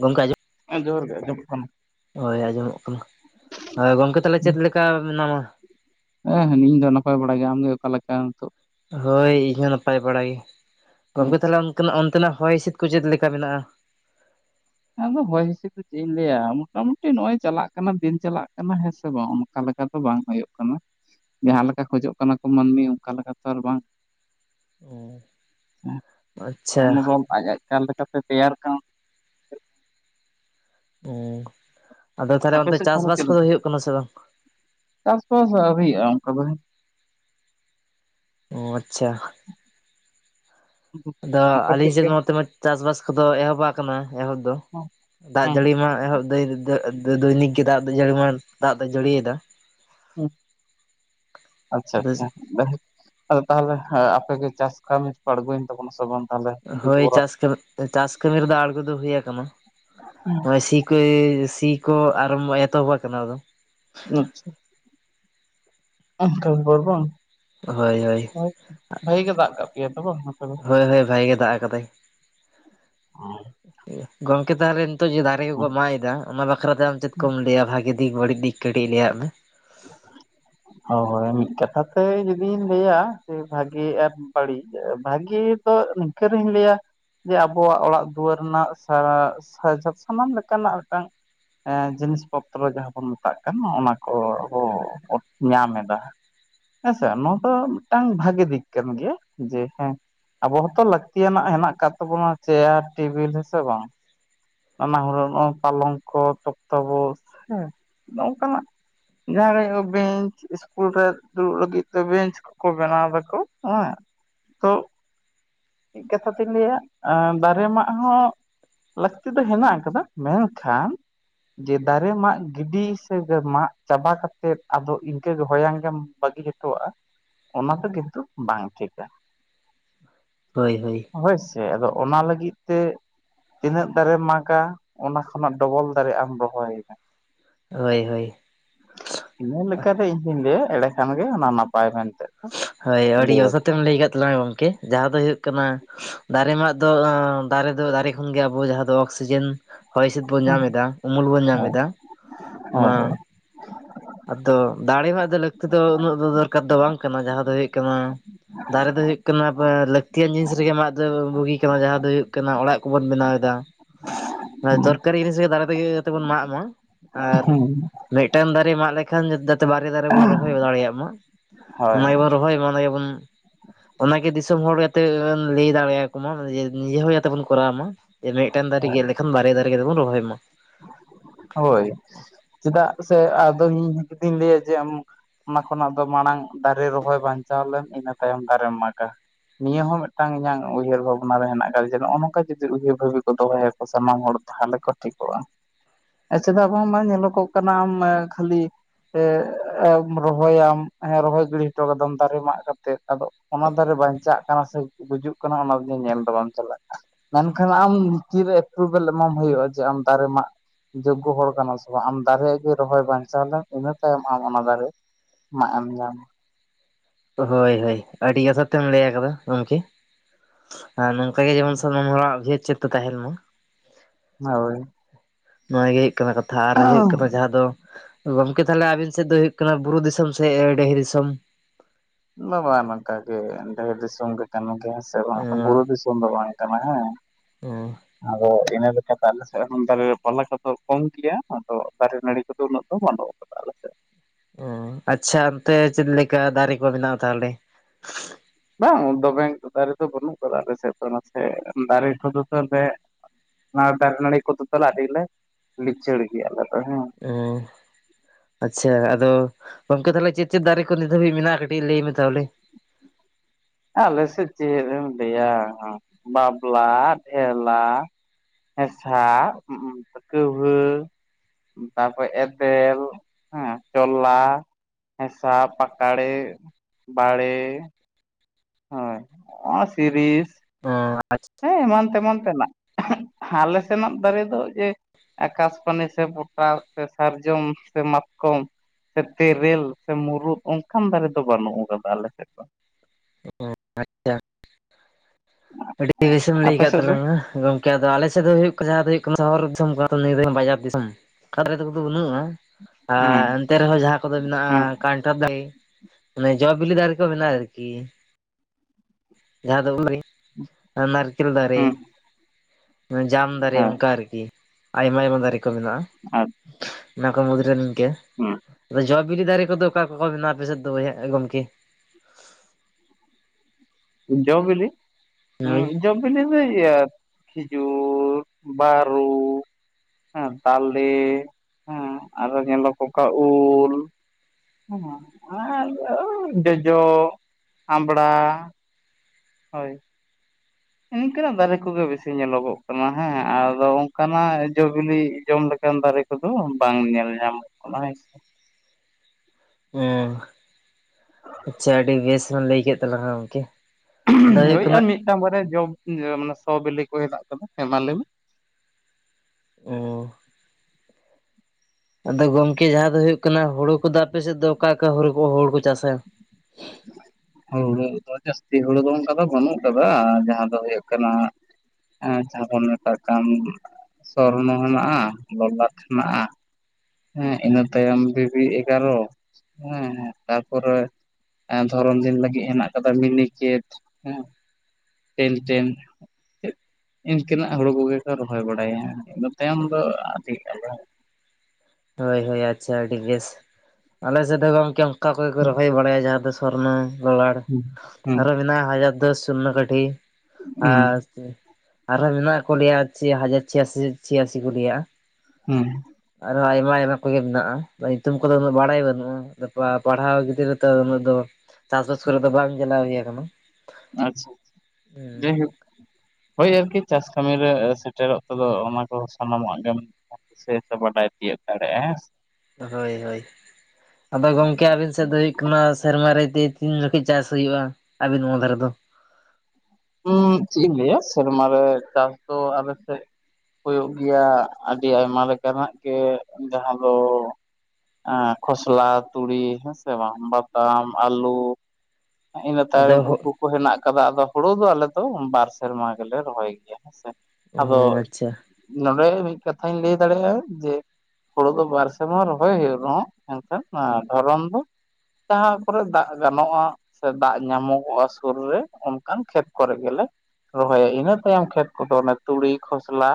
ᱜᱚᱝᱠᱮ ᱟᱸᱡᱚᱼᱼ ᱦᱮᱸ ᱡᱚᱦᱟᱨ ᱜᱮ ᱟᱸᱡᱚᱢᱚᱜ ᱠᱟᱱᱟ᱾ ᱦᱳᱭ ᱟᱸᱡᱚᱢᱚᱜ ᱠᱟᱱᱟ ᱦᱳᱭ ᱜᱚᱝᱠᱮ ᱛᱟᱦᱚᱞᱮ ᱪᱮᱫ ᱞᱮᱠᱟ ᱢᱮᱱᱟᱢᱟ᱾ ᱦᱮᱸ ᱤᱧ ᱫᱚ ᱱᱟᱯᱟᱭ ᱵᱟᱲᱟᱭ ᱜᱮ ᱟᱢᱜᱮ ᱚᱠᱟ ᱞᱮᱠᱟ ᱱᱤᱛᱚᱜ? ᱦᱳᱭ ᱤᱧ ᱦᱚᱸ ᱱᱟᱯᱟᱭ ᱵᱟᱲᱟ ᱜᱮ ᱜᱚᱝᱠᱮ ᱟᱪᱪᱷᱟ ᱛᱟᱦᱚᱞᱮ ᱚᱱᱛᱮᱱᱟᱜ ᱚᱱᱛᱮᱱᱟᱜ ᱦᱚᱭ ᱦᱤᱸᱥᱤᱫ ᱠᱚ ᱪᱮᱫ ᱞᱮᱠᱟ ᱢᱮᱱᱟᱜ-ᱟ᱾ ᱟᱫᱚ ᱦᱚᱭ ᱦᱤᱸᱥᱤᱫ ᱫᱚ ᱪᱮᱫ ᱤᱧ ᱞᱟᱹᱭᱟ ᱢᱚᱴᱟᱢᱩᱴᱤ ᱱᱚᱜ ᱚᱭ ᱪᱟᱞᱟᱜ ᱠᱟᱱᱟ ᱫᱤᱱ ᱪᱟᱞᱟᱜ ᱠᱟᱱᱟ ᱦᱮᱸ ᱥᱮ ᱵᱟᱝ᱾ ᱚᱱᱠᱟ ᱞᱮᱠᱟ ᱫᱚ ᱵᱟᱝ ᱦᱳᱭᱳᱜ ᱠᱟᱱᱟ᱾ ᱡᱟᱦᱟᱸ ᱞᱮᱠᱟ ᱠᱷᱚᱡᱚᱜ ᱠᱟᱱᱟ ᱠᱚ ᱢᱟᱹᱱᱢᱤ ᱚᱱᱠᱟ ᱞᱮᱠᱟ ᱛᱚ ᱟᱨ ᱵᱟᱝᱼᱼ ᱟᱪᱪᱷᱟ ᱚᱱᱚᱨᱚᱞ ᱟᱡ ᱟᱡ ᱠᱟᱱ ᱞᱮᱠᱟᱛᱮ ᱛᱮᱭᱟᱨ ᱠᱟᱱ ᱦᱩᱸ ᱟᱫᱚ ᱛᱟᱦᱞᱮ ᱟᱯᱮ ᱚᱱᱛᱮ ᱥᱮᱫ ᱛᱟᱦᱚᱞᱮ ᱪᱟᱥ-ᱵᱟᱥ ᱪᱮᱫ ᱠᱚᱫᱚ ᱞᱮᱠᱟ ᱦᱩᱭᱩᱜ ᱠᱟᱱᱟ ᱥᱮ ᱵᱟᱝ? ᱪᱟᱥᱵᱟᱥ ᱟᱣᱨᱤᱭᱟᱜᱼᱟ ᱚᱱᱠᱟ ᱫᱚ᱾ ᱚ ᱟᱪᱪᱷᱟ᱾ ᱟᱫᱚ ᱟᱯᱮ ᱟᱹᱞᱤᱧ ᱥᱮᱫ ᱜᱮ ᱱᱚᱛᱮ ᱢᱟ ᱪᱟᱥ-ᱵᱟᱥ ᱠᱚᱫᱚ ᱮᱦᱚᱵ ᱟᱠᱟᱱᱟ ᱮᱦᱚᱵ ᱫᱚ᱾ ᱫᱟᱜ ᱦᱮᱸ ᱡᱟᱹᱲᱤ ᱢᱟ ᱮᱦᱚᱵ ᱫᱟᱹ ᱫᱟᱹ ᱫᱟᱹ ᱫᱚᱭᱱᱤᱠ ᱜᱮ ᱫᱟᱜ ᱡᱟᱹᱲᱤ ᱢᱟ ᱫᱟᱜ ᱫᱚ ᱡᱟᱹᱲᱤᱭᱮᱫᱟ᱾ ᱦᱩᱸ ᱟᱪᱪᱷᱟ ᱟᱪᱪᱷᱟ᱾ [inaudible] ᱟᱫᱚ ᱛᱟᱦᱚᱞᱮ ᱟᱯᱮ ᱜᱮ ᱪᱟᱥ ᱠᱟᱹᱢᱤ ᱟᱬᱜᱚᱭᱮᱱ ᱛᱟᱵᱚᱱᱟ ᱥᱮ ᱵᱟᱝ? ᱛᱟᱦᱚᱞᱮ ᱡᱩᱛ ᱦᱳᱭ ᱵᱚᱨᱟ ᱪᱟᱥ ᱠᱟᱹᱢᱤ ᱪᱟᱥ ᱠᱟᱹᱢᱤ ᱨᱮᱫᱚ ᱟᱬᱜᱳ ᱫᱚ ᱦᱩᱭ ᱟᱠᱟᱱᱟ ᱱᱚᱜᱚᱭ ᱥᱤ ᱠᱟᱹ ᱥᱤ ᱠᱚ ᱟᱨᱚᱢ ᱮᱛᱚᱦᱚᱵ ᱠᱟᱱᱟ ᱟᱫᱚ᱾ ᱟᱪᱪᱷᱟ᱾ [unintelligible] ᱵᱟᱝ? ᱦᱳᱭ ᱵᱷᱟᱹᱜᱤ ᱜᱮ ᱫᱟᱜ ᱠᱟᱜ ᱯᱮᱭᱟᱭ ᱛᱚ ᱵᱟᱝ ᱟᱯᱮ ᱫᱚ? [inaudible] ᱦᱳᱭ ᱦᱳᱭ ᱵᱷᱟᱜᱮ ᱜᱮ ᱫᱟᱜ ᱟᱠᱟᱫᱟᱭ ᱜᱚᱝᱠᱮ ᱛᱟᱦᱚᱞᱮ ᱱᱤᱛᱚᱜ ᱡᱮ ᱫᱟᱨᱮ ᱠᱚᱠᱚ ᱢᱟᱜ ᱮᱫᱟ ᱚᱱᱟ ᱵᱟᱠᱷᱨᱟᱛᱮ ᱟᱢ ᱪᱮᱫ ᱠᱚᱢ ᱞᱟᱹᱭᱟ ᱵᱷᱟᱜᱮ ᱫᱤᱠ ᱵᱟᱹᱲᱤᱡ ᱫᱤᱠ ᱠᱟᱹᱴᱤᱡ ᱞᱟᱹᱭᱟᱜ ᱢᱮ᱾ ᱦᱳᱭ ᱢᱤᱫ ᱠᱟᱛᱷᱟ ᱛᱮ ᱡᱩᱫᱤᱧ ᱞᱟᱹᱭᱟ ᱡᱮ ᱵᱷᱟᱹᱜᱤ ᱟᱨ ᱵᱟᱹᱲᱤᱡ ᱵᱷᱟᱹᱜᱤ ᱫᱚ ᱱᱤᱝᱠᱟᱹ ᱨᱤᱧ ᱞᱟᱹᱭᱟ ᱡᱮ ᱟᱵᱚᱣᱟᱜ ᱚᱲᱟᱜ ᱫᱩᱣᱟᱹᱨ ᱨᱮᱱᱟᱜ ᱥᱟᱲᱟ ᱥᱟᱱᱟᱢ ᱞᱮᱠᱟᱱᱟᱜ ᱢᱤᱫᱴᱟᱝ ᱮ ᱡᱤᱱᱤᱥ ᱯᱚᱛᱨᱚ ᱡᱟᱦᱟᱸ ᱵᱚᱱ ᱢᱮᱛᱟᱜ ᱠᱟᱱ ᱚᱱᱟ ᱠᱚ ᱠᱚ ᱧᱟᱢ ᱮᱫᱟ᱾ ᱦᱮᱸᱥᱮ ᱱᱚᱝᱠᱟ ᱢᱤᱫᱴᱟᱝ ᱵᱷᱟᱜᱮ ᱫᱤᱠ ᱠᱟᱱ ᱜᱮᱭᱟ ᱡᱮ ᱦᱮᱸ ᱟᱵᱚ ᱦᱚᱸᱛᱚ ᱞᱟᱹᱠᱛᱤᱭᱟᱱᱟᱜ ᱦᱮᱸᱱᱟᱜ ᱠᱟᱫ ᱛᱟᱵᱚᱱᱟ ᱪᱮᱭᱟᱨ ᱴᱮᱵᱤᱞ ᱦᱮᱸᱥᱮ ᱵᱟᱝ? ᱱᱟᱱᱟ ᱦᱩᱱᱟᱹᱨ ᱱᱚᱜᱼᱚᱭ ᱯᱟᱞᱚᱝᱠᱚ ᱛᱚᱠᱛᱟᱵᱳᱥ ᱦᱮᱸ ᱱᱚᱝᱠᱟᱱᱟᱜ ᱡᱟᱦᱟᱸ ᱞᱮᱠᱟ ᱵᱮᱧᱪ ᱤᱥᱠᱩᱞ ᱨᱮ ᱫᱩᱲᱩᱵ ᱞᱟᱹᱜᱤᱫ ᱛᱮ ᱵᱮᱧᱪ ᱠᱚ ᱵᱮᱱᱟᱣ ᱫᱟᱠᱚ ᱦᱮᱸ ᱛᱚ ᱢᱤᱫ ᱠᱟᱛᱷᱟ ᱛᱤᱧ ᱞᱟᱹᱭᱟ ᱟᱸ ᱫᱟᱨᱮ ᱢᱟᱜ ᱦᱚᱸ ᱞᱟᱹᱠ ᱛᱤ ᱫᱚ ᱦᱮᱸᱱᱟᱜ ᱠᱟᱫᱟ ᱢᱮᱱᱠᱷᱟᱱ ᱡᱮ ᱫᱟᱨᱮ ᱢᱟᱜ ᱜᱤᱰᱤ ᱥᱮ ᱢᱟᱜ ᱪᱟᱵᱟ ᱠᱟᱛᱮ ᱟᱫᱚ ᱤᱱᱠᱟᱹ ᱦᱚᱭᱟᱝ ᱜᱮᱢ ᱵᱟᱹᱜᱤ ᱦᱚᱴᱚᱣᱟᱜᱼᱟ ᱚᱱᱟ ᱫᱚ ᱠᱤᱱᱛᱩ ᱵᱟᱝ ᱴᱷᱤᱠᱟ᱾ ᱦᱳᱭ ᱦᱳᱭ᱾ ᱦᱳᱭ ᱥᱮ ᱟᱫᱚ ᱚᱱᱟ ᱞᱟᱹᱜᱤᱫ ᱛᱮ ᱛᱤᱱᱟᱹᱜ ᱫᱟᱨᱮᱢ ᱢᱟᱜᱟ ᱚᱱᱟ ᱠᱷᱚᱱᱟᱜ ᱰᱚᱵᱚᱞ ᱫᱟᱨᱮ ᱟᱢ ᱨᱚᱦᱚᱭᱮᱫᱟ, ᱦᱳᱭ ᱦᱳᱭ᱾ ᱤᱱᱟᱹ ᱞᱮᱠᱟᱛᱮ ᱤᱧᱫᱩᱧ ᱞᱟᱹᱭᱟ ᱮᱸᱰᱮ ᱠᱷᱟᱱᱜᱮ ᱚᱱᱟ ᱱᱟᱯᱟᱭ ᱢᱮᱱᱛᱮ᱾ ᱦᱳᱭ ᱟᱹᱰᱤ ᱞᱟᱹᱭᱟᱠᱚᱜᱼᱟ ᱡᱚᱛᱷᱟᱛᱮᱢ ᱞᱟᱹᱭ ᱠᱟᱫ ᱛᱟᱞᱟᱝᱟ ᱜᱚᱢᱠᱮ ᱡᱟᱦᱟᱸ ᱫᱚ ᱦᱩᱭᱩᱜ ᱠᱟᱱᱟ ᱫᱟᱨᱮ ᱢᱟᱜ ᱫᱚ ᱫᱟᱨᱮ ᱫᱚ ᱫᱟᱨᱮ ᱠᱷᱚᱱᱜᱮ ᱟᱵᱚ ᱡᱟᱦᱟᱸ ᱫᱚ ᱚᱠᱥᱤᱡᱮᱱ ᱦᱚᱭ ᱦᱤᱸᱥᱤᱫ ᱵᱚᱱ ᱧᱟᱢ ᱮᱫᱟ ᱩᱢᱩᱞ ᱵᱚᱱ ᱧᱟᱢ ᱦᱳᱭ ᱮᱫᱟ ᱢᱟ ᱦᱳᱭ ᱟᱫᱚ ᱫᱟᱲᱮ ᱢᱟᱜ ᱫᱚ ᱞᱟᱹᱠᱛᱤ ᱫᱚ ᱩᱱᱟᱹᱜ ᱫᱚ ᱫᱚᱨᱠᱟᱨ ᱫᱚ ᱵᱟᱝ ᱠᱟᱱᱟ ᱡᱟᱦᱟᱸ ᱫᱚ ᱦᱩᱭᱩᱜ ᱠᱟᱱᱟ ᱫᱟᱨᱮ ᱫᱚ ᱦᱩᱭᱩᱜ ᱠᱟᱱᱟ ᱞᱟᱹᱠᱛᱤᱭᱟᱱ ᱡᱤᱱᱤᱥ ᱨᱮᱜᱮ ᱢᱟᱜ ᱫᱚ ᱵᱩᱜᱤ ᱠᱟᱱᱟ ᱡᱟᱦᱟᱸ ᱫᱚ ᱦᱩᱭᱩᱜ ᱠᱟᱱᱟ ᱚᱲᱟᱜ ᱠᱚᱵᱚᱱ ᱵᱮᱱᱟᱣ ᱮᱫᱟ, [inaudible] ᱦᱳᱭ ᱫᱚᱨᱠᱟᱨᱤ ᱡᱤᱱᱤᱥ ᱫᱟᱨᱟᱭ ᱛᱮᱜᱮ ᱵᱚᱱ ᱢᱟᱜ ᱢᱟ ᱟᱨ ᱦᱩᱸ ᱢᱤᱫᱴᱟᱝ ᱫᱟᱨᱮ ᱢᱟᱜ ᱞᱮᱠᱷᱟᱱ ᱡᱟᱛᱮ ᱵᱟᱨᱭᱟ ᱫᱟᱨᱮ ᱵᱚᱱ ᱨᱚᱦᱚᱭ ᱫᱟᱲᱮᱭᱟᱜ ᱢᱟ ᱾ ᱦᱳᱭ ᱚᱱᱟ ᱜᱮᱵᱚᱱ ᱨᱚᱦᱚᱭ ᱚᱱᱟ ᱜᱮᱵᱚᱱ ᱚᱱᱟᱜᱮ ᱫᱤᱥᱚᱢ ᱦᱚᱲ ᱡᱟᱛᱮ ᱞᱟᱹᱭ ᱫᱟᱲᱮᱭᱟᱜᱼᱢᱟ ᱱᱤᱡᱮ ᱦᱚᱸ ᱡᱟᱛᱮ ᱵᱚᱱ ᱠᱚᱨᱟᱣ ᱢᱟ᱾ ᱡᱮ ᱢᱤᱫ ᱴᱟᱝ ᱫᱟᱨᱮ ᱦᱳᱭ ᱜᱮᱫ ᱞᱮᱠᱷᱟᱱ ᱵᱟᱨᱭᱟ ᱫᱟᱨᱮ ᱛᱮᱵᱚᱱ ᱨᱚᱦᱚᱭ ᱢᱟ᱾ ᱦᱳᱭ ᱪᱮᱫᱟᱜ ᱥᱮ ᱟᱫᱚ ᱤᱧ ᱡᱩᱫᱤᱧ ᱞᱟᱹᱭᱟ ᱟᱢ ᱚᱱᱟ ᱠᱷᱚᱱᱟᱜ ᱫᱚ ᱢᱟᱲᱟᱝ ᱫᱟᱨᱮ ᱨᱚᱦᱚᱭ ᱵᱟᱧᱪᱟᱣ ᱞᱮᱢ ᱤᱱᱟᱹ ᱛᱟᱭᱚᱢ ᱫᱟᱨᱮᱢ ᱢᱟᱜᱼᱟ᱾ ᱱᱤᱭᱟᱹ ᱦᱚᱸ ᱢᱤᱫᱴᱟᱝ ᱜᱟᱱ ᱤᱧᱟᱹᱜ ᱩᱭᱦᱟᱹᱨ ᱵᱷᱟᱵᱽᱱᱟ ᱨᱮ ᱢᱮᱱᱟᱜ ᱟᱠᱟᱫᱟ ᱡᱮ ᱱᱚᱜᱼᱚ ᱱᱚᱝᱠᱟ ᱡᱩᱫᱤ ᱩᱦᱟᱹᱨ ᱵᱷᱟᱵᱤ ᱠᱚ ᱫᱚᱦᱚ ᱭᱟᱠᱚ ᱥᱟᱱᱟᱢ ᱦᱚᱲ ᱛᱟᱦᱚᱞᱮ ᱠᱚ ᱴᱷᱤᱠᱚᱜᱼᱟ ᱾ ᱟᱪ ᱪᱷᱮᱫᱟᱜ ᱵᱟᱝᱢᱟ ᱧᱮᱞᱚᱜᱚᱜ ᱠᱟᱱᱟ ᱟᱢ ᱠᱷᱟᱹᱞᱤ ᱪᱮᱫ ᱨᱚᱦᱚᱭ ᱟᱢ ᱮ ᱨᱚᱦᱚᱭ ᱜᱤᱲᱤ ᱦᱚᱴᱚ ᱠᱟᱫᱟᱢ ᱫᱟᱨᱮ ᱢᱟᱜ ᱠᱟᱛᱮᱜ ᱟᱫᱚ ᱚᱱᱟ ᱫᱟᱨᱮ ᱵᱟᱧᱪᱟᱜ ᱠᱟᱱᱟ ᱥᱮ ᱜᱩᱡᱩᱜ ᱠᱟᱱᱟ ᱚᱱᱟ ᱧᱮᱞ ᱫᱚ ᱵᱟᱢ ᱪᱟᱞᱟᱜᱼᱟ᱾ ᱢᱮᱱ ᱠᱷᱟᱱ ᱟᱢ ᱛᱤᱨᱮ ᱮᱯᱨᱩᱵᱷᱮᱞ ᱮᱢᱟᱢ ᱦ ᱦᱩᱭᱩᱜᱼᱟ ᱡᱮ ᱟᱢ ᱫᱟᱨᱮ ᱢᱟᱜ ᱡᱳᱜᱜᱚ ᱦᱚᱲ ᱠᱟᱱᱟ ᱥᱮ ᱵᱟᱝ ᱟᱢ ᱫᱟᱨᱮᱭᱟᱜ ᱜᱮ ᱨᱚᱦᱚᱭ ᱵᱟᱧᱪᱟᱣ ᱞᱮᱢ ᱤᱱᱟᱹ ᱛᱟᱭᱚᱢ ᱟᱢ ᱚᱱᱟ ᱫᱟᱨᱮ ᱢᱟᱜ ᱮᱢ ᱧᱟᱢᱟᱼᱟ᱾ ᱦᱳᱭ ᱦᱳᱭ ᱟᱹᱰᱤ ᱟᱥᱟ ᱛᱮᱢ ᱞᱟᱹᱭ ᱟᱠᱟᱫᱟ ᱜᱚᱢᱠᱮ ᱟᱨ ᱱᱚᱝᱠᱟ ᱜᱮ ᱡᱮᱢᱚᱱ ᱥᱟᱱᱟᱢ ᱦᱚᱲᱟᱜ ᱵᱷᱮᱫ ᱪᱮᱫ ᱛᱟᱦᱮᱱ ᱢᱟ᱾ ᱦᱳᱭᱻ ᱱᱚᱣᱟ ᱜᱮ ᱦᱩᱭᱩᱜ ᱠᱟᱱᱟ ᱠᱟᱛᱷᱟ ᱟᱨ ᱦᱩᱭᱩᱜ ᱠᱟᱱᱟ ᱡᱟᱦᱟᱸ ᱫᱚ ᱜᱚᱝᱠᱮ ᱛᱟᱦᱚᱞᱮ ᱟᱵᱤᱱ ᱥᱮᱫ ᱫᱚ ᱦᱳᱭᱳᱜ ᱠᱟᱱᱟ ᱵᱩᱨᱩ ᱫᱤᱥᱚᱢ ᱥᱮ ᱰᱟᱦᱤ ᱫᱤᱥᱚᱢ? ᱵᱟ ᱵᱟ ᱱᱚᱝᱠᱟ ᱜᱮ ᱰᱟᱦᱤ ᱫᱤᱥᱚᱢ ᱨᱮ ᱜᱮ ᱠᱟᱱᱟᱱ ᱜᱮᱭᱟ ᱥᱮ ᱵᱟᱝ ᱚ ᱵᱩᱨᱩ ᱫᱤᱥᱚᱢ ᱫᱚ ᱵᱟᱝ ᱠᱟᱱᱟ ᱚ ᱟᱫᱚ ᱤᱱᱟᱹᱼᱼ ᱟᱞᱮᱥᱮᱫ ᱫᱟᱨᱮ ᱯᱟᱞᱟ ᱠᱚᱫᱚ ᱠᱚᱢ ᱜᱮᱭᱟ ᱟᱫᱚ ᱫᱟᱨᱮ ᱱᱟᱲᱤ ᱠᱚᱫᱚ ᱩᱱᱟᱹᱜ ᱫᱚ ᱵᱟᱱᱩᱜ ᱟᱠᱟᱫᱟ ᱟᱞᱮᱥᱮᱫ᱾ ᱚ ᱟᱪᱪᱷᱟ ᱚᱱᱛᱮ ᱪᱮᱫ ᱞᱮᱠᱟ ᱫᱟᱨᱮ ᱠᱚ ᱢᱮᱱᱟᱜᱼᱟ ᱛᱟᱦᱚᱞᱮ? ᱵᱟᱝ ᱫᱚᱢᱮ ᱫᱟᱨᱮ ᱫᱚ ᱵᱟᱹᱱᱩᱜ ᱟᱠᱟᱫᱟ ᱟᱞᱮ ᱥᱮᱫ ᱫᱚ ᱱᱚᱛᱮ ᱫᱟᱨᱮ ᱠᱚᱫᱚ ᱛᱟᱦᱮᱞᱮᱼᱼ ᱚᱱᱟ ᱫᱟᱨᱮ ᱱᱟᱹᱲᱤ ᱠᱚᱫᱚ ᱛᱚᱞᱟ ᱟᱹᱰᱤ ᱜᱮᱞᱮ ᱞᱤᱪᱟᱹᱲ ᱜᱮᱭᱟ ᱟᱞᱮ ᱦᱮᱸᱼᱼ ᱮᱸᱢ ᱟᱪᱪᱷᱟ ᱟᱫᱚ ᱜᱚᱝᱠᱮ ᱛᱟᱦᱚᱞᱮ ᱪᱮᱫ ᱪᱮᱫ ᱫᱟᱨᱮ ᱠᱚ ᱱᱤᱛ ᱦᱟᱹᱵᱤᱡ ᱢᱮᱱᱟᱜᱼᱟ ᱠᱟᱹᱴᱤᱡ ᱞᱟᱹᱭ ᱢᱮ ᱛᱟᱦᱚᱞᱮ? ᱟᱞᱮ ᱥᱮᱫ ᱪᱮᱫ ᱮᱢ ᱞᱟᱹᱭᱟ ᱵᱟᱵᱞᱟ ᱴᱷᱮᱞᱟ ᱦᱮᱸᱥᱟᱜ ᱠᱟᱹᱣᱦᱟᱹ ᱛᱟᱯᱚᱨ ᱮᱫᱮᱞ ᱦᱮᱸ ᱪᱚᱞᱞᱟ ᱦᱮᱸᱥᱟᱜ ᱯᱟᱠᱟᱲᱮ ᱵᱟᱲᱮᱸ ᱦᱳᱭ ᱚ ᱥᱤᱸᱨᱤᱥ ᱚ ᱟᱪᱪᱷᱟ ᱦᱮᱸ ᱮᱢᱟᱱ ᱛᱮᱢᱟᱱ ᱛᱮᱱᱟᱜ ᱟᱞᱮ ᱥᱮᱱᱟᱜ ᱫᱟᱨᱮ ᱫᱚ ᱡᱮ ᱟᱠᱟᱥ ᱯᱟᱱᱤ ᱥᱮ ᱯᱚᱴᱟᱥ ᱥᱮ ᱥᱟᱨᱡᱚᱢ ᱥᱮ ᱢᱟᱛᱠᱚᱢ ᱥᱮ ᱛᱮᱸᱨᱮᱞ ᱥᱮ ᱢᱩᱨᱩᱫ ᱚᱱᱠᱟᱱ ᱫᱟᱨᱮ ᱫᱚ ᱵᱟᱹᱱᱩᱜ ᱟᱠᱟᱫᱟ ᱟᱞᱮ ᱥᱮᱫ ᱫᱚ᱾ ᱚ ᱟᱪᱪᱷᱟ ᱟᱹᱰᱤ ᱵᱮᱥᱮᱢ ᱞᱟᱹᱭ ᱟᱯᱮ ᱠᱫ ᱥᱮᱫ ᱫᱚ ᱛᱟᱞᱟᱝᱼᱟ ᱜᱚᱝᱠᱼᱼ ᱟᱞᱮ ᱥᱮᱫ ᱫᱚ ᱦᱩᱭᱩᱜ ᱠᱟᱱᱟ ᱡᱟᱦᱟᱸ ᱫᱚ ᱦᱩᱭᱩᱜ ᱠᱟᱱᱟ ᱥᱚᱦᱚᱨ ᱫᱤᱥᱚᱢ ᱱᱤᱭᱟᱹ ᱵᱟᱡᱟᱨ ᱫᱤᱥᱚᱢ᱾ ᱚ ᱠᱟᱫᱨᱮ ᱛᱟᱠᱚᱫᱚ ᱵᱟᱹᱱᱩᱜᱼᱟ ᱦᱩᱸ ᱟᱨ ᱮᱱᱛᱮ ᱨᱮᱦᱚᱸ ᱡᱟᱦᱟᱸ ᱠᱚᱫᱚ ᱢᱮᱱᱟᱜᱼᱟ ᱦᱩᱸ ᱠᱟᱱᱴᱷᱟᱲ ᱫᱟᱨᱮ ᱢᱟᱱᱮ ᱡᱚ ᱵᱤᱞᱤ ᱫᱟᱨᱮ ᱠᱚ ᱢᱮᱱᱟᱜᱼᱟ ᱟᱨᱠᱤ᱾ ᱤ ᱡᱟᱦᱟᱸ ᱫᱚ ᱱᱟᱨᱠᱮᱞ ᱫᱟᱨᱮ ᱦᱩᱸ ᱾ ᱡᱟᱢ ᱫᱟᱨᱮ ᱦᱮᱸ ᱚᱱᱠᱟ ᱟᱨᱠᱤ ᱟᱭᱢᱟ ᱟᱭᱢᱟ ᱫᱟᱨᱮ ᱠᱚ ᱢᱮᱱᱟᱜᱼᱟ᱾ ᱟᱨᱼᱼ ᱚᱱᱟ ᱠᱚ ᱢᱩᱫ ᱨᱮᱱ ᱜᱮ ᱟᱫᱚ ᱡᱚ ᱵᱤᱞᱤ ᱫᱟᱨᱮ ᱠᱚᱫᱚ ᱚᱠᱟ ᱠᱚᱠᱚ ᱢᱮᱱᱟᱜᱼᱟ ᱟᱯᱮᱥᱮᱫ ᱫᱚ ᱵᱚᱭᱦᱟ ᱜᱚᱢᱠᱮ? ᱡᱚ ᱵᱤᱞᱤ ᱱᱩᱭ? ᱡᱚᱵ [unintelligible] ᱠᱷᱤᱡᱩᱨ ᱵᱟᱹᱨᱩ ᱦᱮᱸ ᱛᱟᱞᱮᱻ, ᱦᱮᱸ ᱟᱨᱚ ᱧᱮᱞᱚᱜᱚᱜ-ᱠᱟ ᱩᱞ ᱦᱮᱸ ᱳᱭ ᱡᱚᱡᱚ, ᱟᱢᱵᱽᱲᱟ ᱦᱳᱭ᱾ ᱱᱤᱝᱠᱟᱱᱟᱜ ᱫᱟᱨᱮ ᱠᱚᱜᱮ ᱵᱮᱥᱤ ᱧᱮᱞᱚᱜᱚᱜ ᱠᱟᱱᱟ ᱦᱮᱸ ᱟᱫᱚ ᱚᱝᱠᱟᱱᱟᱜ ᱡᱚ-ᱵᱤᱞᱤ ᱡᱚᱢ ᱞᱮᱠᱟᱱ ᱫᱟᱨᱮ ᱠᱚᱫᱚ ᱵᱟᱝ ᱧᱮᱞ ᱧᱟᱢᱚᱜ ᱠᱟᱱᱟ ᱦᱳᱭ ᱥᱮ᱾ ᱦᱮᱹ, ᱟᱪᱪᱷᱟ ᱟᱹᱰᱤ ᱵᱮᱥ ᱵᱮᱱ ᱞᱟᱹᱭ ᱠᱮᱫ ᱛᱟᱞᱟᱝᱟ ᱜᱚᱝᱠᱮ᱾ ᱦᱳᱭ ᱟᱨ ᱢᱤᱫᱴᱟᱝ ᱵᱟᱨᱭᱟ ᱡᱚᱢ ᱢᱟᱱᱮ ᱥᱚ ᱵᱤᱞᱤ ᱠᱚ ᱦᱮᱱᱟᱜ ᱠᱟᱫᱟ᱾ ᱦᱮᱸ ᱢᱟ ᱞᱟᱹᱭ ᱢᱮ᱾ ᱚ᱾ ᱟᱫᱚ ᱜᱚᱝᱠᱮ ᱡᱟᱦᱟᱸ ᱫᱚ ᱦᱳᱭᱳᱜ ᱠᱟᱱᱟ ᱦᱳᱲᱩ ᱠᱚᱫᱚ ᱟᱯᱮᱥᱮᱫ ᱫᱚ ᱚᱠᱟ ᱚᱠᱟ ᱦᱩᱲᱩ ᱠᱚ, ᱦᱩᱲᱩ ᱠᱚ ᱪᱟᱥᱟ? [inaudible] ᱦᱩᱲᱩ ᱫᱚ, ᱡᱟᱹᱥᱛᱤ ᱦᱩᱲᱩ ᱫᱚ ᱝᱱᱠᱟ ᱫᱚ ᱵᱟᱹᱱᱩᱜ ᱠᱟᱫᱟ, ᱡᱟᱦᱟᱸ ᱫᱚ ᱦᱩᱭᱩᱜ ᱠᱟᱱᱟ ᱟᱨ ᱡᱟᱦᱟᱸᱵᱚᱱ ᱢᱮᱛᱟᱜ ᱠᱟᱱ ᱥᱚᱨᱱᱚ ᱦᱮᱱᱟᱜ-ᱟ, ᱞᱚᱞᱟᱴ ᱦᱮᱱᱟᱜ-ᱟ᱾ ᱦᱮᱸ ᱤᱱᱟᱹ ᱛᱟᱭᱚᱢ ᱵᱤᱵᱤ ᱮᱜᱟᱨᱚ, ᱦᱮᱸ ᱦᱮᱸ᱾ ᱛᱟᱨᱯᱚᱨᱮ ᱟᱨ ᱫᱷᱚᱨᱚᱢ ᱫᱤᱱ ᱞᱟᱹᱜᱤᱫ ᱦᱮᱱᱟᱜ ᱠᱟᱫᱟ ᱢᱤᱱᱤᱤᱠᱮᱴ, ᱦᱮᱸ ᱴᱮᱱ ᱴᱮᱱ᱾ ᱤᱱᱠᱟᱹᱱᱟᱜ ᱦᱩᱲᱩ ᱠᱚᱜᱮ ᱠᱚ ᱨᱚᱦᱚᱭ ᱵᱟᱲᱟᱭᱟ ᱤᱱᱟᱹ ᱛᱟᱭᱚᱢ ᱫᱚ ᱟᱹᱰᱤ ᱟᱹᱵᱤ ᱦᱳᱭ ᱦᱳᱭ ᱟᱪᱪᱷᱟ ᱟᱹᱰᱤ ᱵᱮᱥ, ᱟᱞᱮ ᱥᱮᱫ ᱫᱚ ᱜᱚᱝᱠᱮ ᱚᱝᱠᱟ ᱚᱠᱚᱭ ᱠᱚ ᱨᱚᱦᱚᱭ ᱵᱟᱲᱟᱭᱟ ᱡᱟᱦᱟᱸ ᱫᱚ ᱥᱚᱨᱱ, ᱞᱚᱞᱟᱲ ᱦᱩᱸ ᱟᱨᱚ ᱢᱮᱱᱟᱜ-ᱟ ᱦᱟᱡᱟᱨ ᱫᱚᱥ ᱥᱩᱱᱱᱚ ᱠᱟᱴᱷᱤ᱾ ᱦᱩᱸ ᱟᱨ, ᱟᱨᱦᱚᱸ ᱢᱮᱱᱟᱜ ᱠᱚ ᱞᱟᱹᱭᱟ ᱪᱮ ᱦᱟᱡᱟᱨ ᱪᱷᱤᱭᱟᱥᱤ ᱪᱷᱤᱭᱟᱥᱤ ᱠᱚ ᱞᱟᱹᱭᱟ᱾ ᱦᱩᱸ᱾ ᱟᱨᱦᱚᱸ ᱟᱭᱢᱟ ᱟᱭᱢᱟ ᱠᱚᱜᱮ ᱢᱮᱱᱟᱜ-ᱟ᱾ ᱟᱫᱚ ᱧᱩᱛᱩᱢ ᱠᱚᱫᱚ ᱩᱱᱟᱹᱜ ᱵᱟᱲᱟᱭ ᱵᱟᱹᱱᱩᱜ-ᱟ᱾ ᱟᱫᱚ ᱯᱟᱲᱦᱟᱣ ᱜᱤᱫᱽᱨᱟᱹ ᱛᱚ ᱩᱱᱟᱹᱜ ᱫᱚ ᱪᱟᱥᱵᱟᱥ ᱠᱚᱨᱮ ᱫᱚ ᱵᱟᱝ ᱵᱮᱱᱟᱣ ᱦᱩᱭ ᱟᱠᱟᱱᱟ᱾ ᱟᱪᱪᱷᱟ ᱟᱪᱪᱷᱟ, ᱡᱟᱭ ᱦᱳᱠ ᱦᱳᱭ ᱟᱨᱠᱤ ᱪᱟᱥ ᱠᱟᱹᱢᱤ ᱨᱮ ᱥᱮᱴᱮᱨᱚᱜ ᱛᱮᱫᱚ ᱚᱱᱟ ᱠᱚ ᱥᱟᱱᱟᱢᱟᱜ ᱧᱟᱢᱚᱜ-ᱟ, ᱥᱮ ᱯᱮ ᱵᱟᱰᱟᱭ ᱛᱤᱭᱟᱹᱜ ᱫᱟᱲᱮᱭᱟᱜ-ᱟ ᱦᱮᱸ ᱥᱮ᱾ ᱦᱳᱭ ᱦᱳᱭ᱾ ᱟᱫᱚ ᱜᱚᱝᱠᱮ ᱟᱵᱤᱱ ᱥᱮᱫ ᱫᱚ ᱦᱩᱭᱩᱜ ᱠᱟᱱᱟ ᱥᱮᱨᱢᱟ ᱨᱮ ᱡᱮ ᱛᱤᱱ ᱡᱚᱠᱷᱚᱡ ᱪᱟᱥ ᱦᱩᱭᱩᱜ-ᱟ? ᱟᱹᱵᱤᱱ ᱚᱱᱟ ᱫᱷᱨᱮ ᱫᱚ? ᱩᱸᱜ, ᱪᱮᱫ ᱤᱧ ᱞᱟᱹᱭᱟ ᱥᱮᱨᱢᱟ ᱨᱮ ᱪᱟᱥ ᱫᱚ ᱟᱞᱮ ᱥᱮᱫ ᱦᱩᱭᱩᱜ ᱜᱮᱭᱟ ᱟᱹᱰᱤ ᱟᱭᱢᱟ ᱞᱮᱠᱟᱱᱟᱜ ᱜᱮ, ᱡᱟᱦᱟᱸ ᱫᱚ ᱮᱸᱻ ᱠᱷᱚᱥᱞᱟ ᱛᱩᱲᱤ ᱦᱮᱸ ᱥᱮ ᱵᱟᱝ, ᱵᱟᱫᱟᱢ, ᱟᱞᱩ, ᱤᱱᱟᱹ ᱟᱫᱚ ᱛᱟᱭᱚᱢ ᱩᱛᱩ ᱠᱚ ᱦᱮᱱᱟᱜ ᱠᱟᱫᱟ, ᱟᱫᱚ ᱦᱩᱲᱩ ᱫᱚ ᱟᱞᱮ ᱫᱚ ᱵᱟᱨ ᱥᱮᱨᱢᱟ ᱜᱮᱞᱮ ᱨᱚᱦᱚᱭ ᱜᱮᱭᱟ ᱦᱮᱸ ᱥᱮ᱾ ᱚ ᱟᱫᱚ ᱟᱪᱪᱷᱟ ᱱᱚᱸᱰᱮ ᱢᱤᱫ ᱠᱟᱛᱷᱟᱧ ᱞᱟᱹᱭ ᱫᱟᱲᱮᱭᱟᱜ-ᱟ ᱡᱮ, ᱦᱩᱲᱩ ᱫᱚ ᱵᱟᱨ ᱥᱮᱢᱟ ᱨᱚᱦᱚᱭ ᱦᱩᱭᱩᱜ ᱨᱮᱦᱚᱸ, ᱮᱱᱠᱷᱟᱱ ᱱᱚᱣᱟ ᱫᱷᱚᱨᱚᱱ ᱫᱚ ᱡᱟᱦᱟᱸ ᱠᱚᱨᱮ ᱫᱟᱜ ᱜᱟᱱᱚᱜ-ᱟ ᱥᱮ ᱫᱟᱜ ᱧᱟᱢᱚᱜᱚᱜ-ᱟ ᱥᱩᱨ ᱨᱮ ᱚᱱᱠᱟᱱ ᱠᱷᱮᱛ ᱠᱚᱨᱮ ᱜᱮᱞᱮ ᱨᱚᱦᱚᱭᱟ᱾ ᱤᱱᱟᱹ ᱛᱟᱭᱚᱢ ᱠᱷᱮᱛ ᱠᱚᱫᱚ ᱚᱱᱮ ᱛᱩᱲᱤ, ᱠᱷᱚᱥᱞᱟ,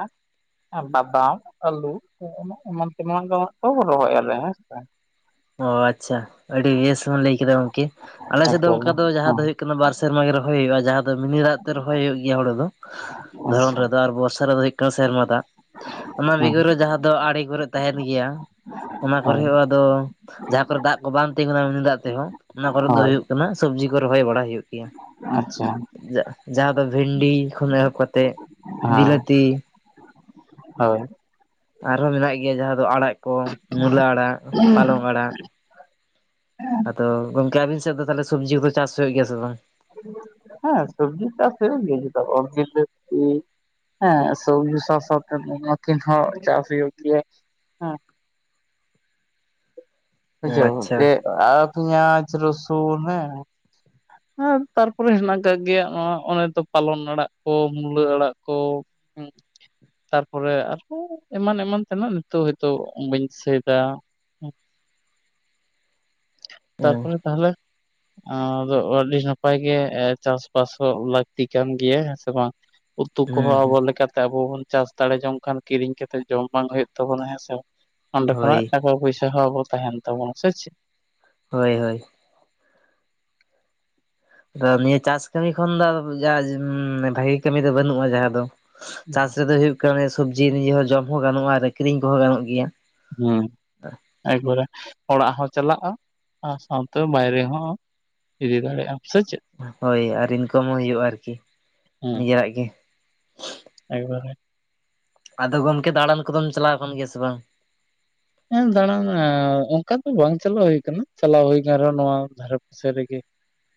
ᱟᱨ ᱵᱟᱫᱟᱢ, ᱟᱹᱞᱩ ᱮᱢᱟ-ᱮᱢᱟᱱ ᱛᱮᱢᱟᱟᱱ ᱫᱚ ᱦᱟᱸᱜ ᱠᱚ ᱨᱚᱦᱚᱭᱟᱞᱮ ᱦᱮᱸ ᱥᱮ᱾ ᱚ ᱟᱪᱪᱷᱟ, ᱟᱹᱰᱤ ᱵᱮᱥ ᱵᱚᱱ ᱞᱟᱹᱭ ᱠᱮᱫᱟ ᱜᱚᱝᱠᱮ᱾ ᱟᱞᱮ ᱥᱮᱫ ᱫᱚ ᱮᱠᱫᱚᱢ ᱚᱱᱠᱟ ᱫᱚ ᱡᱟᱦᱟᱸ ᱦᱮᱸ ᱫᱚ ᱦᱩᱭᱩᱜ ᱠᱟᱱᱟ ᱵᱟᱨ ᱥᱮᱨᱢᱟ ᱜᱮ ᱨᱚᱦᱚᱭ ᱦᱩᱭᱩᱜ-ᱟ, ᱡᱟᱦᱟᱸ ᱫᱚ ᱢᱤᱱᱤ ᱫᱟᱜ ᱛᱮ ᱨᱚᱦᱚᱭ ᱦᱩᱭᱩᱜ ᱜᱮᱭᱟ ᱦᱩᱲᱤ ᱫᱚ᱾ ᱫᱷᱚᱨᱚᱱ ᱟᱪᱪᱷᱟ ᱨᱮᱫᱚ, ᱟᱨ ᱵᱚᱨᱥᱟ ᱨᱮᱫᱚ ᱦᱩᱭᱩᱜ ᱠᱟᱱᱟ ᱥᱮᱨᱢᱟ ᱫᱟᱜ, ᱚᱱᱟ ᱦᱮᱸ ᱵᱤᱜᱷᱟ ᱨᱮ ᱡᱟᱦᱟᱸ ᱫᱚ ᱟᱲᱮ ᱠᱚᱨᱮᱫ ᱛᱟᱸᱦᱮᱱ ᱜᱮᱭᱟ, ᱚᱱᱟ ᱦᱳᱭ ᱠᱚᱨᱮᱦᱚᱸ ᱟᱫᱚ, ᱡᱟᱦᱟᱸ ᱠᱚᱨᱮ ᱫᱟᱜ ᱠᱚ ᱵᱟᱝ ᱛᱤᱸᱜᱩᱱᱟ ᱢᱤᱱᱤ ᱫᱟᱜ ᱛᱮᱦᱚᱸ ᱚᱱᱟ ᱠᱚᱨᱮ ᱫᱚ ᱦᱳᱭ ᱦᱩᱭᱩᱜ ᱠᱟᱱᱟ, ᱥᱚᱵᱽᱡᱤ ᱠᱚ ᱨᱚᱦᱚᱭ ᱵᱟᱲᱟ ᱦᱩᱭᱩᱜ ᱜᱮᱭᱟ᱾ ᱟᱪᱪᱷᱟ᱾ ᱤᱭᱟᱹᱜ ᱡᱟᱦᱟᱸ ᱫᱚ ᱵᱷᱮᱱᱰᱤ ᱠᱷᱚᱱ ᱮᱦᱚᱵ ᱠᱟᱛᱮᱜ, ᱦᱮᱸ ᱵᱤᱞᱟᱹᱛᱤ ᱦᱳᱭ, ᱟᱨᱦᱚᱸ ᱢᱮᱱᱟᱜ ᱜᱮᱭᱟ ᱡᱟᱦᱟᱸ ᱫᱚ ᱟᱲᱟᱜ ᱠᱚ ᱾ ᱢᱩᱞᱟᱹ ᱟᱲᱟᱜ, ᱯᱟᱞᱚᱝ ᱟᱲᱟᱜ, ᱟᱫᱚ ᱜᱚᱝᱠᱮ ᱟᱵᱤᱱ ᱥᱮᱫ ᱫᱚ ᱛᱟᱦᱞᱮ ᱥᱚᱵᱽᱡᱤ ᱠᱚ ᱪᱟᱥ ᱦᱩᱭᱩᱜ ᱜᱮᱭᱟ ᱥᱮ ᱵᱟᱝ? ᱦᱮᱸ ᱥᱚᱵᱽᱡᱤ ᱪᱟᱥ ᱦᱩᱭᱩᱜ ᱜᱮᱭᱟ, ᱪᱮᱫᱟᱜ ᱵᱟᱝ ᱵᱤᱞᱟᱹᱛᱤ, ᱦᱮᱸ ᱥᱚᱵᱡ ᱥᱟᱚᱛᱤᱱ ᱪᱟᱥ ᱦᱩᱭᱩᱜ ᱜᱮᱭᱟ, ᱦᱮᱸ ᱚ ᱵᱩᱡᱷᱟᱹᱣ ᱟᱪᱪᱷᱟ ᱡᱮ ᱯᱮᱸᱭᱟᱡ, ᱨᱚᱥᱩᱱ, ᱦᱮᱸ ᱟᱨ ᱛᱟᱨᱯᱚᱨᱮ ᱦᱮᱱᱟᱜ ᱠᱟᱜ ᱜᱮᱭᱟ ᱾ ᱱᱚᱣᱟ ᱚᱱᱮ ᱫᱚ ᱯᱟᱞᱚᱱ ᱟᱲᱟᱜ ᱠᱚ, ᱢᱩᱞᱟᱹ ᱟᱲᱟᱜ ᱠᱚ ᱾ ᱦᱮᱸ, ᱛᱟᱨᱯᱚᱨᱮ ᱟᱨᱦᱚᱸ ᱮᱢᱟᱱ ᱮᱢᱟᱱ ᱛᱮᱱᱟᱜ ᱱᱤᱛᱚᱜ ᱦᱭᱛᱳ ᱵᱟᱹᱧ ᱫᱤᱥᱟᱹᱭᱫᱟ ᱚ ᱛᱟᱨᱯᱚᱨᱮ ᱛᱟᱦᱞᱮ ᱟᱫᱚ ᱟᱹᱰᱤ ᱱᱟᱯᱟᱭ ᱜᱮ ᱪᱟᱥᱵᱟᱥ ᱦᱚᱸ ᱞᱟᱹᱠᱛᱤ ᱠᱟᱱ ᱜᱮᱭᱟ ᱦᱮᱸ ᱥᱮ ᱵᱟᱝ? ᱩᱛᱩ ᱠᱚᱦ ᱦᱩᱸ ᱦᱩᱸ ᱟᱵᱚ ᱞᱮᱠᱟᱛᱮ ᱟᱵᱚ ᱵᱚᱱ ᱪᱟᱥ ᱫᱟᱲᱮ ᱡᱚᱝ ᱠᱷᱟᱱ ᱠᱤᱨᱤᱧ ᱠᱟᱛᱮᱫ ᱡᱚᱢ ᱵᱟᱝ ᱦᱩᱭᱩᱜ ᱛᱟᱵᱚᱱᱟ ᱦᱮᱸ ᱥᱮ ᱵᱟᱝ? ᱚᱸᱰᱮ ᱠᱷᱚᱱᱟᱜ ᱦᱳᱭ ᱴᱟᱠᱟ ᱯᱚᱭᱥᱟ ᱦᱚᱸ ᱟᱵᱚ ᱛᱟᱦᱮᱱ ᱛᱟᱵᱚᱱᱟ ᱥᱮ ᱪᱮᱫ? ᱦᱳᱭ ᱦᱳᱭ, ᱟᱫᱚ ᱱᱤᱭᱟᱹ ᱪᱟᱥ ᱠᱟᱹᱢᱤ ᱠᱷᱚᱱ ᱫᱚ ᱵᱷᱟᱜᱤ ᱠᱟᱹᱢᱤ ᱫᱚ ᱵᱟᱹᱱᱩᱜᱼᱟ ᱡᱟᱦᱟᱸ ᱫᱚ ᱪᱟᱥ ᱨᱮᱫᱚ ᱦᱩᱭᱩᱜ ᱠᱟᱱᱟ ᱥᱚᱵᱡᱤ ᱱᱤᱡᱮ ᱡᱚᱢ ᱦᱚᱸ ᱜᱟᱱᱚᱜᱼᱟ, ᱟᱨ ᱟᱠᱠᱷᱨᱤᱤᱧ ᱠᱚᱦᱚᱸ ᱜᱟᱱᱚᱜ ᱜᱮᱭᱟ ᱾ ᱦᱮᱸ, ᱮᱠᱵᱟᱨᱮ ᱚᱲᱟᱜ ᱦᱚᱸ ᱪᱟᱞᱟᱜᱼᱟ ᱾ ᱟᱨ ᱥᱟᱶᱛᱮ ᱵᱟᱭᱨᱮ ᱦᱚᱸ ᱤᱫ ᱫᱟᱲᱮᱟᱢ ᱥᱮ ᱪᱮᱫ? ᱦᱳᱭ ᱟᱨ ᱤᱱᱠᱟᱢ ᱦᱚᱸ ᱦᱩᱭᱩᱜᱼᱟ, ᱟᱨᱠᱤ ᱦᱮᱸ ᱱᱤᱡᱮᱨᱟᱜ ᱜᱮ ᱾ ᱮᱠᱵᱟᱨᱮ, ᱟᱫᱚ ᱜᱚᱢᱠᱮ ᱫᱟᱬᱟᱱ ᱠᱚᱫᱚᱢ ᱪᱟᱞᱟᱣ ᱟᱠᱟᱱ ᱜᱮᱭᱟ ᱥᱮ ᱵᱟᱝ? ᱦᱮᱸ ᱫᱟᱬᱟᱱ ᱚᱱᱠᱟ ᱫᱚ ᱵᱟᱝ ᱪᱟᱞᱟᱣ ᱦᱩᱭ ᱠᱟᱱᱟ ᱾ ᱪᱟᱞᱟᱣ ᱦᱩᱭᱠ ᱨᱮᱦᱚᱸ ᱱᱚᱣᱟ ᱫᱷᱟᱨᱮ ᱥᱮ ᱨᱮᱜᱮ,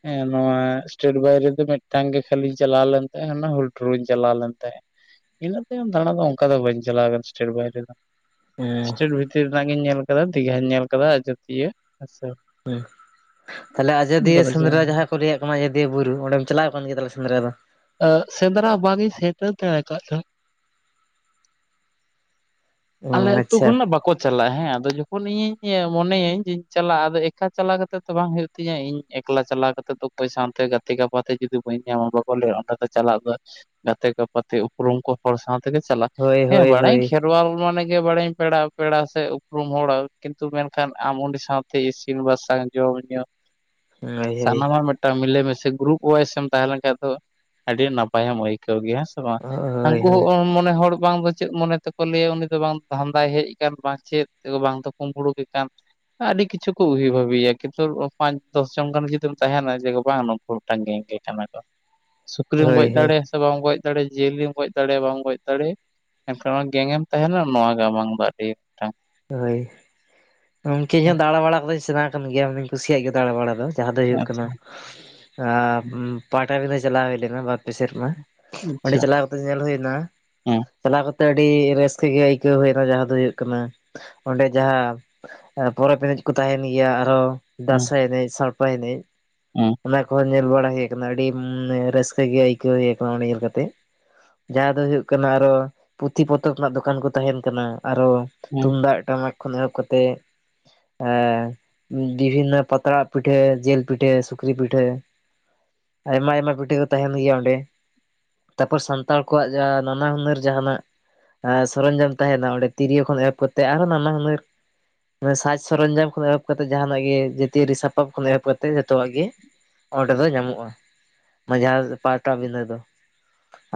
ᱦᱮᱸ ᱱᱚᱣᱟ ᱥᱴᱮᱴ ᱵᱟᱭᱨᱮᱫᱚ ᱢᱤᱫᱴᱟᱝ ᱜᱮ ᱠᱷᱟᱹᱤᱧ ᱪᱟᱞᱟᱣ ᱞᱮᱱ ᱛᱟᱦᱮᱸ ᱦᱩᱞ ᱴᱩᱨ ᱤᱧ ᱪᱟᱞᱟᱣ ᱞᱮᱱ ᱛᱟᱦᱮᱸᱫ ᱾ ᱤᱱᱟᱹ ᱛᱟᱭᱚᱢ ᱫᱟᱬᱟ ᱫᱚ ᱚᱱᱠᱟ ᱫᱚ ᱵᱟᱹᱧ ᱪᱟᱞᱟᱣ ᱟᱠᱟᱱᱟ ᱵᱟᱭᱨᱮ ᱫᱚ ᱾ ᱦᱮᱸ ᱥᱴᱮᱴ ᱵᱷᱤᱛᱤᱨ ᱨᱮᱱᱟᱜ ᱜᱤᱧ ᱧᱮᱞ ᱠᱟᱫᱟ ᱫᱤᱜᱷᱟᱧ ᱧᱮᱞ ᱠᱟᱫᱟ ᱟᱡᱳᱫᱤᱭᱟᱹ ᱦᱮ ᱥᱮ ᱛᱟᱦᱞᱮ ᱟᱡᱚᱫᱤᱭᱟᱹ ᱥᱮᱸᱫᱽᱨᱟ ᱡᱟᱦᱟᱸ ᱠᱚ ᱨᱮᱭᱟᱜ ᱠᱟᱱᱟ ᱟᱡᱚᱫᱤᱭᱟᱹ ᱵᱩᱨᱩ ᱚᱸᱰᱮᱢ ᱪᱟᱞᱟᱣ ᱟᱠᱟᱱ ᱜᱮᱭᱟ ᱛᱟᱦᱮ ᱥᱮᱸᱫᱽᱨᱟ ᱫᱚ? ᱥᱮᱸᱫᱽᱨᱟ ᱵᱟᱝᱤᱧ ᱥᱮᱴᱮᱨ ᱫᱟᱲᱮ ᱟᱠᱟᱫ ᱛᱟᱦᱮᱸᱫ, ᱚ ᱟᱞᱮ ᱟᱹᱛᱩ ᱟᱪᱪᱷᱟ ᱠᱷᱚᱱᱟᱜ ᱵᱟᱠᱚ ᱪᱟᱞᱟᱜᱼᱟ ᱦᱮᱸ ᱟᱫᱚ ᱡᱚᱠᱷᱚᱱ ᱤᱧᱤᱧ ᱢᱮᱱᱟᱹᱧ ᱡᱮᱧ ᱪᱟᱞᱟᱜᱼᱟ ᱟᱫᱚ ᱮᱠᱠᱟ ᱪᱟᱞᱟ ᱠᱟᱛᱮ ᱛᱚ ᱵᱟᱝ ᱦᱩᱭᱩᱜ᱾ ᱛᱤᱧᱟᱹ ᱤᱧ ᱮᱠᱞᱟ ᱪᱟᱞᱟᱣ ᱠᱟᱛᱮ ᱫᱚ ᱚᱠᱚᱭ ᱥᱟᱶᱛᱮ ᱜᱟᱛᱮ ᱜᱟᱯᱟᱛᱮ ᱡᱩᱫᱤ ᱵᱟᱹᱧ ᱧᱟᱢᱟ ᱵᱟ ᱵᱚᱞᱮ ᱚᱸᱰᱮ ᱫᱚ ᱪᱟᱞᱟᱜ ᱫᱚ ᱜᱟᱛᱮ ᱠᱚᱯᱛᱮ ᱩᱯᱨᱩᱢ ᱠᱚ ᱦᱚᱲ ᱥᱟᱶ ᱛᱮᱜᱮ ᱪᱟᱞᱟᱜ ᱦᱳᱭ ᱦᱮᱸ ᱦᱳᱭ ᱦᱳᱭ ᱵᱟᱲᱟᱭᱤᱧ ᱠᱷ ᱠᱷᱮᱨᱣᱟᱞ ᱢᱟᱱᱮ ᱜᱮ ᱵᱟᱲᱟᱭᱤᱧ ᱯᱮᱲᱟ ᱯᱮᱲᱟ ᱥᱮ ᱩᱯᱨᱩᱢ ᱦᱚᱲ, ᱠᱤᱱᱛᱩ ᱢᱮᱱᱠᱷᱟᱱ ᱟᱢ ᱩᱱᱤ ᱥᱟᱶᱛᱮ ᱤᱥᱤᱱ, ᱵᱟᱥᱟᱝ ᱡᱚᱢ ᱧᱩ ᱦᱳᱭ ᱦᱳᱭ ᱦᱳᱭ ᱥᱟᱱᱟᱢᱟᱜ ᱢᱤᱫᱴᱟᱝ ᱢᱤᱞᱮᱢᱤᱥᱮ ᱜᱨᱩᱯ ᱚᱣᱟᱭᱤᱥ ᱮᱢ ᱛᱟᱦᱮᱸᱞᱮᱱ ᱠᱷᱟᱡ ᱫᱚ ᱟᱹᱰᱤ ᱱᱟᱯᱟᱭᱮ ᱮᱢ ᱟᱹᱭᱠᱟᱹᱣ ᱜᱮᱭᱟ᱾ ᱦᱮᱸ ᱥᱮ ᱵᱟᱝ ᱦᱳᱭ ᱩᱱᱠᱩ ᱦᱚᱸ ᱢᱚᱱᱮ ᱦᱚᱲ ᱵᱟᱝ ᱫᱚ ᱪᱮᱫ ᱢᱚᱱᱮ ᱛᱮᱠᱚ ᱞᱟᱹᱭᱟ ᱩᱱᱤ ᱫᱚ ᱵᱟᱝ ᱫᱷᱟᱸᱫᱟᱭ ᱦᱮᱡ ᱟᱠᱟᱱ ᱪᱮᱫ ᱵᱟᱝ ᱫᱚ ᱠᱩᱢᱵᱽᱲᱩᱠᱮ ᱜᱮ ᱠᱟᱱ ᱾ ᱟᱹᱰᱤ ᱠᱤᱪᱷᱩ ᱠᱚ ᱩᱭ ᱵᱷᱷᱟᱵᱮᱤᱭᱟ, ᱠᱤᱱᱛᱩ ᱯᱟᱸᱪ ᱫᱚᱥ ᱡᱚᱱ ᱜᱟᱱ ᱡᱩᱫᱤᱢ ᱛᱟᱦᱮᱱᱟ ᱡᱮ ᱵᱟᱝ ᱨᱚᱝᱜᱮ ᱜᱮ ᱠᱟᱱᱟ ᱠᱚ ᱾ ᱥᱩᱠᱨᱤᱢ ᱦᱳᱭ ᱜᱚᱡ ᱦᱳᱭ ᱫᱟᱲᱮᱭᱟᱜᱼᱟ ᱥᱮ ᱵᱟᱝ ᱜᱚᱡ ᱫᱟᱲᱮᱭᱟᱜᱼᱟ ᱡᱤᱭᱟᱹᱞᱤᱢ ᱜᱚᱡ ᱫᱟᱲᱮᱭᱟᱜᱼᱟ ᱵᱟᱢ ᱜᱚᱡᱽ ᱫᱟᱲᱮᱭᱟᱜᱼᱟ ᱾ ᱮᱱᱠᱷᱟᱱ ᱜᱮᱝᱮᱢ ᱛᱟᱦᱮᱱᱟ ᱱᱚᱣᱟ ᱜᱮ ᱟᱢᱟᱝ ᱫᱚ ᱟᱹᱰᱤ ᱢᱤᱫᱴᱟᱝ ᱦᱳᱭ, ᱜᱚᱢᱠᱮ ᱤᱧ ᱦᱚᱸ ᱫᱟᱬᱟ ᱵᱟᱲᱟ ᱠᱟᱫᱚᱧ ᱥᱮᱬ ᱠᱟᱱ ᱜᱮᱭᱟᱧ ᱠᱩᱥᱤᱭᱟᱜ ᱜᱮᱭᱟ ᱫᱟᱬᱟ ᱵᱟᱲᱟ ᱫᱚ ᱾ ᱡᱟᱦᱟᱸ ᱫᱚ ᱦᱩᱭᱩᱜ ᱠᱟᱱᱟ, ᱟᱪᱪᱷᱟ ᱯᱟᱛᱟᱵᱤᱫᱷᱟᱹ ᱪᱟᱞᱟᱣ ᱦᱩᱭ ᱞᱮᱱᱟ ᱾ ᱵᱟ ᱥᱮᱨᱢᱟ [inaudible] ᱚᱸᱰᱮ ᱟᱪᱪᱷᱟ ᱪᱟᱞᱟᱣᱼᱼ ᱧᱮᱞ ᱦᱩᱭ ᱮᱱᱟ, ᱦᱮᱸ ᱪᱟᱞᱟᱣ ᱠᱟᱛᱮᱜ ᱟᱹᱰᱤ ᱨᱟᱹᱥᱠᱟᱹ ᱜᱮ ᱟᱹᱭᱠᱟᱹᱣ ᱦᱩᱭᱱᱟ ᱡᱟᱦᱟᱸ ᱫᱚ ᱦᱩᱭᱩᱜ ᱠᱟᱱᱟᱼᱼ ᱚᱸᱰᱮ ᱡᱟᱦᱟᱸ ᱯᱚᱨᱚᱵᱽ ᱮᱱᱮᱡ ᱠᱚ ᱛᱟᱸᱦᱮᱱ ᱜᱮᱭᱟ, ᱟᱨᱦᱚᱸ ᱦᱮᱸ ᱫᱟᱸᱥᱟᱭ ᱮᱱᱮᱡ ᱥᱟᱶᱼᱼ ᱱᱟᱯᱟᱭ ᱮᱱᱮᱡ, ᱦᱮᱸ ᱚᱱᱟ ᱠᱚ ᱮᱱᱮᱡ ᱾ ᱵᱟᱲᱟ ᱦᱩᱭ ᱟᱠᱟᱱᱟ ᱟᱹᱰᱤ ᱨᱟᱹᱥᱠᱟᱹ ᱜᱮ ᱟᱹᱭᱠᱟᱹᱣ ᱦᱩᱭ ᱟᱠᱟᱱᱟ ᱚᱱᱟ ᱧᱮᱞ ᱠᱟᱛᱮ ᱾ ᱡᱟᱦᱟᱸ ᱫᱚ ᱦᱩᱭᱩᱜ ᱠᱟᱱᱟ ᱟᱨᱚ, ᱯᱩᱛᱷᱤ ᱯᱚᱛᱚᱵ ᱨᱮᱱᱟᱜ ᱫᱚᱠᱟᱱ ᱠᱚ ᱛᱟᱦᱮᱱ ᱠᱟᱱᱟ ᱟᱨᱚ ᱾ ᱦᱮᱸ ᱛᱩᱢᱫᱟᱜ ᱴᱟᱢᱟᱠ ᱠᱷᱚᱱ ᱮᱦᱚᱵ ᱠᱟᱛᱮᱼᱼ ᱟᱸ ᱵᱤᱵᱷᱤᱱᱱᱚ ᱯᱟᱛᱲᱟ ᱯᱤᱴᱷᱟᱹ, ᱡᱤᱞ ᱯᱤᱴᱷᱟᱹ, ᱥᱩᱠᱨᱤ ᱯᱤᱴᱷᱟᱹᱼᱼ ᱟᱭᱢᱟ ᱟᱭᱢᱟ ᱯᱤᱴᱷᱟᱹ ᱠᱚ ᱛᱟᱸᱦᱮᱱ ᱜᱮᱭᱟ ᱚᱸᱰᱮ ᱾ ᱛᱟᱯᱚᱨ ᱥᱟᱱᱛᱟᱲ ᱠᱚᱣᱟᱜ ᱡᱟ ᱱᱟᱱᱟ ᱦᱩᱱᱟᱹᱨ ᱡᱟᱦᱟᱸᱱᱟᱜᱼᱼ ᱦᱮᱸ ᱥᱚᱨᱚᱧᱡᱟᱢ ᱛᱟᱸᱦᱮᱱᱟ ᱚᱸᱰᱮ ᱛᱤᱨᱭᱳ ᱠᱷᱚᱱ ᱮᱦᱚᱵ ᱠᱟᱛᱮ ᱟᱨᱦᱚᱸ ᱱᱟᱱᱟ ᱦᱩᱱᱟᱹᱨᱼᱼ ᱮ ᱥᱟᱡᱽ ᱥᱚᱨᱚᱧᱡᱟᱢ ᱠᱷᱚᱱ ᱮᱦᱚᱵ ᱠᱟᱛᱮᱜ ᱡᱟᱸᱦᱟᱱᱟᱜ ᱜᱮ ᱡᱟᱹᱛᱤᱭᱟᱹᱨᱤ ᱥᱟᱯᱟᱯ ᱠᱷᱚᱱ ᱮᱦᱚᱵ ᱠᱟᱛᱮᱜ ᱡᱚᱛᱚᱣᱟᱜ ᱜᱮ ᱾ ᱚᱸᱰᱮ ᱫᱚ ᱧᱟᱢᱚᱜᱼᱟ ᱾ ᱢᱟᱡᱷᱟ ᱯᱟ ᱠᱟᱹᱢᱤᱱ ᱨᱮ ᱫᱚ ᱾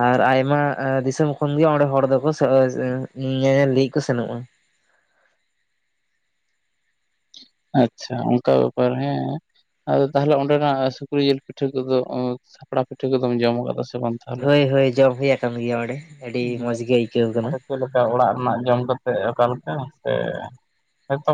ᱟᱨ ᱟᱭᱢᱟ ᱮ ᱫᱤᱥᱚᱢ ᱠᱷᱚᱱᱜᱮ ᱚᱸᱰᱮ ᱦᱚᱲ ᱫᱚᱠᱚ ᱥᱮ ᱮ ᱤ [unintelligible] ᱧᱮᱧᱮᱞ ᱞᱟᱹᱜᱤᱫ ᱠᱚ ᱥᱮᱱᱚᱜᱼᱟ ᱾ ᱟᱪᱪᱷᱟ ᱚᱱᱠᱟ ᱵᱮᱯᱟᱨ ᱦᱮᱸ ᱾ ᱟᱫᱚ ᱛᱟᱦᱚᱞᱮ ᱚᱸᱰᱮᱱᱟᱜ ᱥᱩᱠᱨᱤ ᱡᱤᱞ ᱯᱤᱴᱷᱟᱹ ᱠᱚᱫᱚ ᱩᱸ ᱥᱟᱯᱲᱟ ᱯᱤᱴᱷᱟᱹ ᱠᱚᱫᱚᱢ ᱡᱚᱢ ᱟᱠᱟᱫᱟ ᱥᱮ ᱵᱟᱝ? ᱛᱟᱦᱚᱞᱮ? ᱦᱳᱭ ᱦᱳᱭ ᱡᱚᱢ ᱦᱩᱭ ᱟᱠᱟᱱ ᱜᱮᱭᱟ ᱚᱸᱰᱮ, ᱟᱹᱰᱤ ᱦᱮᱸ ᱢᱚᱸᱡᱽ ᱜᱮ ᱟᱹᱭᱠᱟᱹᱣ ᱟᱠᱟᱱᱟ ᱟᱫᱚ ᱾ ᱪᱮᱫ ᱞᱮᱠᱟ ᱚᱲᱟᱜ ᱨᱮᱱᱟᱜ ᱡᱚᱢ ᱠᱟᱛᱮ ᱚᱠᱟ ᱞᱮᱠᱟ ᱥᱮ ᱦᱚᱭ ᱛᱚᱼᱼ